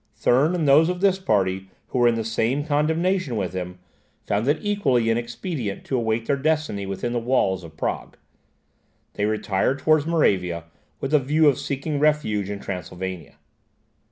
Thurn, and those of this party who were in the same condemnation with him, found it equally inexpedient to await their destiny within the walls of Prague. They retired towards Moravia, with a view of seeking refuge in Transylvania.